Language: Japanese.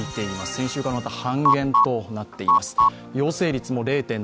先週からまた半減となっています。